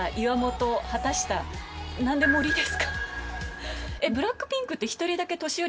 何で森ですか？